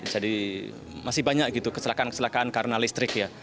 jadi masih banyak gitu keselakaan keselakaan karena listrik ya